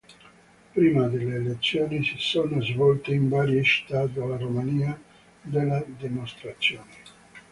Prima delle elezioni si sono svolte in varie città della Romania delle dimostrazioni.